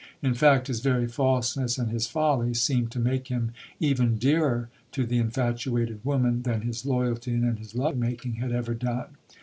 In fact his very falseness and his follies seemed to make him even dearer to the infatuated woman than his loyalty and his love making had ever done.